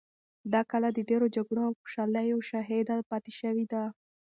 دا کلا د ډېرو جګړو او خوشحالیو شاهده پاتې شوې ده.